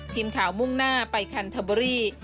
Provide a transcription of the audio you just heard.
มุ่งหน้าไปคันเทอร์เบอรี่